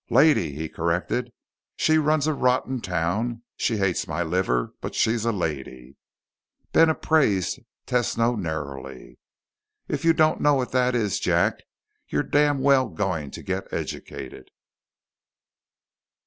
"Lady," he corrected. "She runs a rotten town, she hates my liver, but she's a lady." Ben appraised Tesno narrowly. "If you don't know what that is, Jack, you're damn well going to get educated."